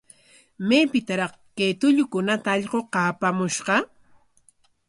¿Maypikraq kay tullukunata allquqa apamushqa?